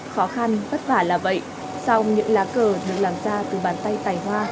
khó khăn bất vả là vậy sau những lá cờ được làm ra từ bàn tay tài hoa